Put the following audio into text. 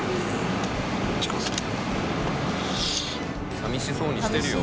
さみしそうにしてるよ。